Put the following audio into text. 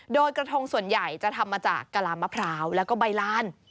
โดยกระทงส่วนใหญ่จะทำมาจากกะลามะพร้าวแล้วก็ใบลาน